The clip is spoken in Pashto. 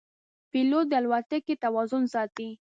پیلوټ د الوتکې توازن ساتي.